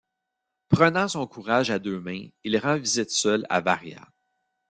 Prenant son courage à deux mains, il rend visite seul à Varia.